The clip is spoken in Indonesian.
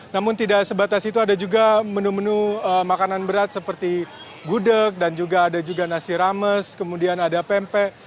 namun tidak sebatas itu ada juga menu menu makanan berat seperti gudeg dan juga ada juga nasi rames kemudian ada pempek